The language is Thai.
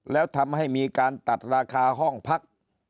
แล้วทำให้มีการตัดราคาห้องพัก